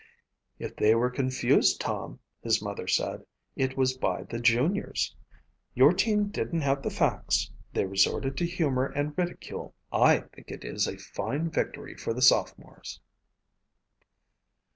"If they were confused, Tom," his mother said, "it was by the juniors. Your team didn't have the facts; they resorted to humor and ridicule. I think it is a fine victory for the sophomores."